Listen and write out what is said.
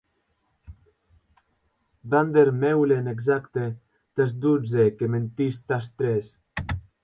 Van der Meulen, exacte, tàs dotze, que mentís tàs tres.